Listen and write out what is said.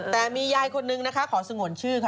แต่มียายคนนึงนะคะขอสงวนชื่อค่ะ